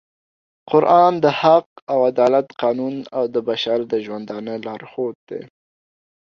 قرآن د حق او عدالت قانون او د بشر د ژوندانه لارښود دی